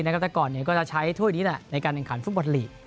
แต่ก่อนก็จะใช้ถ้วยนี้ในการแข่งขันฟุตบอลลีก